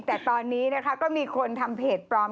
แต่ตอนนี้นะคะก็มีคนทำเพจปลอม